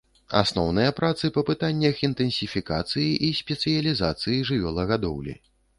Асноўныя працы па пытаннях інтэнсіфікацыі і спецыялізацыі жывёлагадоўлі.